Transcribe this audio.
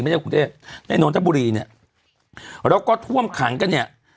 ไม่ใช่กรุงเทพฯในนนทบุรีเนี้ยแล้วก็ท่วมขังก็เนี้ย